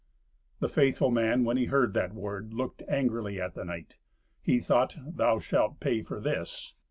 The faithful man, when he heard that word, looked angrily at the knight. He thought, "Thou shalt pay for this.